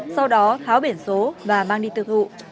sau đó kháo biển số và mang đi tự thụ